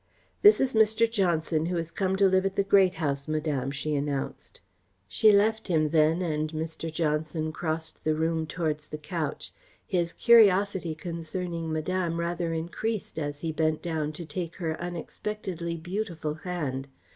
"This is Mr. Johnson who has come to live at the Great House, Madame," she announced. She left him then, and Mr. Johnson crossed the room towards the couch. His curiosity concerning Madame rather increased as he bent down to take her unexpectedly beautiful hand.